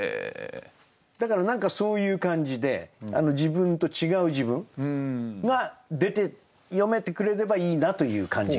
だから何かそういう感じで自分と違う自分が出て読めてくれればいいなという感じがしました。